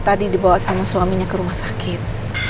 tadi dibawa sama suaminya ke rumah sakit